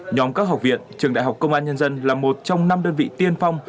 nhóm các học viện trường đại học công an nhân dân là một trong năm đơn vị tiên phong